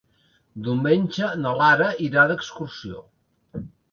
Diumenge na Lara irà d'excursió.